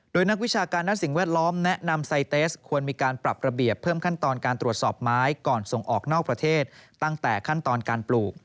โดยนักวิชาการด้านสิ่งแวดล้อมแนะนำไซเตสควรมีการปรับระเบียบเพิ่มขั้นตอนการตรวจสอบไม้ก่อนส่งออกนอกประเทศตั้งแต่ขั้นตอนการปลูก